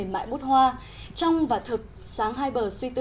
thì có hơn hai trăm linh giải thưởng clauses